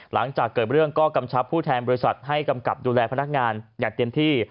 หลังจากเกิดเรื่องก็กำชับผู้แทนบริษัทให้กำกับดูแลพนักงานอย่างเต็มที่